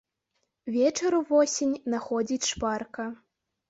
Вечар увосень находзіць шпарка.